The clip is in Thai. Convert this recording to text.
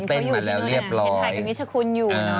เห็นไทยกันวิชคุณอยู่นะ